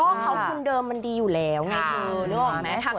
ก็เฮาคุณเดิมมันดีอยู่แล้วไม่ถือร่วม